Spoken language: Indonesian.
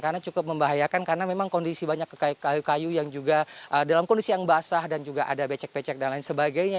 karena cukup membahayakan karena memang kondisi banyak kayak kayu kayu yang juga dalam kondisi yang basah dan juga ada becek becek dan lain sebagainya